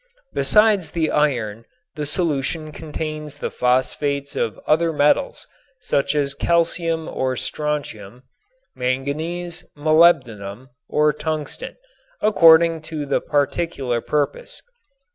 Besides the iron the solution contains the phosphates of other metals such as calcium or strontium, manganese, molybdenum, or tungsten, according to the particular purpose.